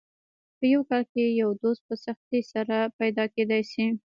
په یو کال کې یو دوست په سختۍ سره پیدا کېدای شي.